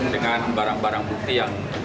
dengan barang barang bukti yang